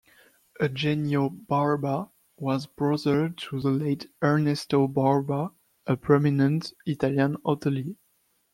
Eugenio Barba was brother to the late Ernesto Barba, a prominent Italian hotelier.